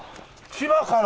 千葉から。